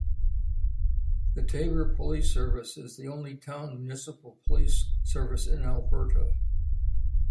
The Taber Police Service is the only town municipal police service in Alberta.